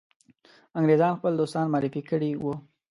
انګرېزان خپل دوستان معرفي کړي وه.